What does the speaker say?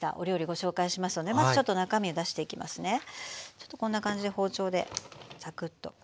ちょっとこんな感じで包丁でざくっと切って。